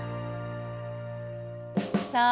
さあ